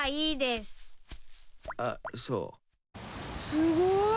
すごい！